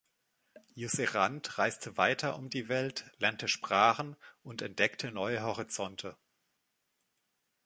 Jusserand reiste weiter um die Welt, lernte Sprachen und entdeckte neue Horizonte.